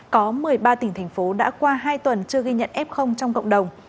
có một mươi ba tỉnh thành phố đã qua hai tuần chưa ghi nhận f trong cộng đồng